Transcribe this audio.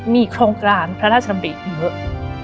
มีโครงการพระราชดำริเยอะ